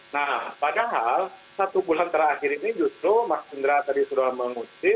nah padahal satu bulan terakhir ini justru mas indra tadi sudah mengusik